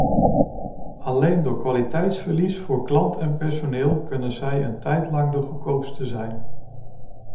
Alleen door kwaliteitsverlies voor klant en personeel kunnen zij een tijdlang de goedkoopste zijn.